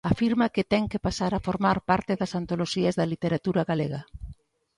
Afirma que ten que pasar a formar parte das antoloxías da literatura galega.